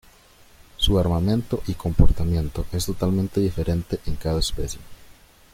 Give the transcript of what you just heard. Su armamento y comportamiento es totalmente diferente en cada especie.